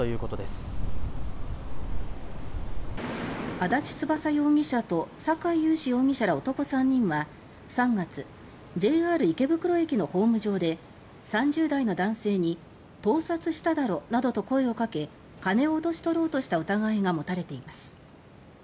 足立翼容疑者と酒井勇志容疑者ら男３人は３月ＪＲ池袋駅のホーム上で３０代の男性に「盗撮しただろ」などと声をかけ金を脅し取ろうとした疑いがもたれています。